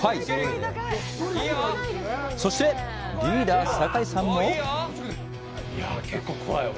そして、リーダー酒井さんも。